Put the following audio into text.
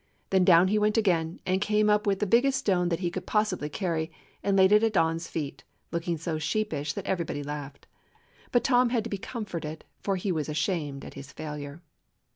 Then down he went again, and came out with the biggest stone that he could possibly carry, and laid it at Don's feet, looking so sheepish that everybody laughed. But Tom had to be comforted, for he was ashamed at his failure.